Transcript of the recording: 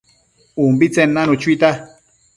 ubitsen nanu chuita